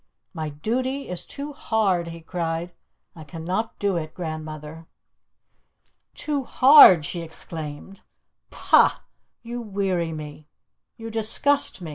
"My duty is too hard," he cried. "I cannot do it, grandmother!" "Too hard!" she exclaimed. "Pah! you weary me you disgust me.